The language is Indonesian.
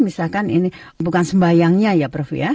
misalkan ini bukan sembayangnya ya prof ya